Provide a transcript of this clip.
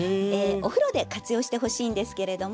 お風呂で活用してほしいんですけれども。